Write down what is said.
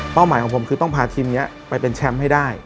หมายของผมคือต้องพาทีมนี้ไปเป็นแชมป์ให้ได้